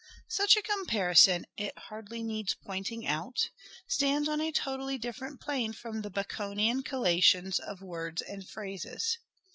Such a comparison, it hardly needs pointing out, stands on a totally different plane from the Baconian collations of words and phrases.